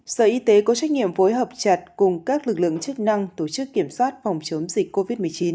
sở y tế có trách nhiệm phối hợp chặt cùng các lực lượng chức năng tổ chức kiểm soát phòng chống dịch covid một mươi chín